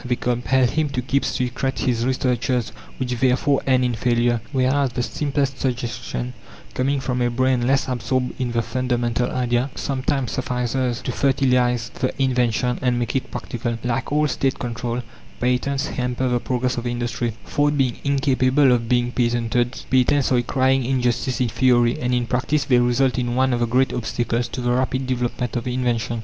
They compel him to keep secret his researches which therefore end in failure; whereas the simplest suggestion, coming from a brain less absorbed in the fundamental idea, sometimes suffices to fertilize the invention and make it practical. Like all State control, patents hamper the progress of industry. Thought being incapable of being patented, patents are a crying injustice in theory, and in practice they result in one of the great obstacles to the rapid development of invention.